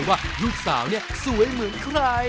จะดูน่ารักมาก